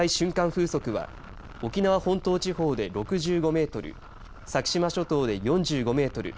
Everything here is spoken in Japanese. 風速は沖縄本島地方で６５メートル先島諸島で４５メートル